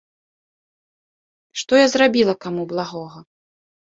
Што я зрабіла каму благога?